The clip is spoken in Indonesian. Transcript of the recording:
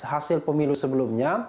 hasil pemilu sebelumnya